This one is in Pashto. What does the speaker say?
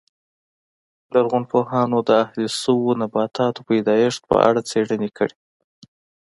لرغونپوهانو د اهلي شویو نباتاتو پیدایښت په اړه څېړنې کړې